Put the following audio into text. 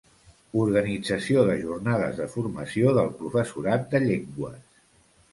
Organització de jornades de formació del professorat de llengües.